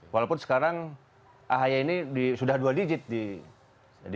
walaupun sekarang ahy ini sudah dua digit di